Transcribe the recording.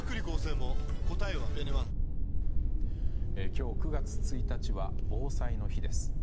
今日、９月１日は防災の日です。